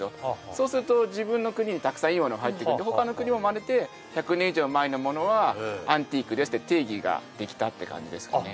そうすると自分の国にたくさんいいものが入ってくるほかの国もまねて１００年以上前のものはアンティークですって定義ができたって感じですかね